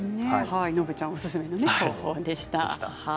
のぶちゃんおすすめの方法でした。